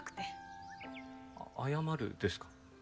謝るですか？